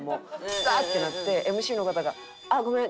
ずらーってなってＭＣの方が「あっごめん。